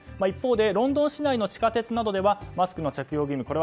一方でロンドン市内の地下鉄などではマスクの着用義務